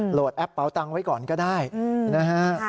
แอปเป๋าตังค์ไว้ก่อนก็ได้นะฮะ